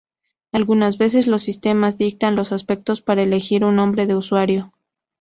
Algunas veces los sistemas dictan los aspectos para elegir un nombre de usuario.